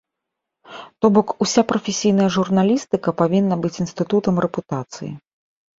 То бок, уся прафесійная журналістыка павінна быць інстытутам рэпутацыі.